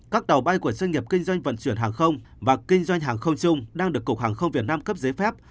các tàu bay của doanh nghiệp kinh doanh vận chuyển hàng không và kinh doanh hàng không chung đang được cục hàng không việt nam cấp giấy phép